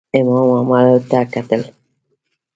امام عملو ته کتل.